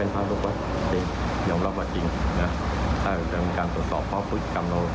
ส่วนอีกคนนึง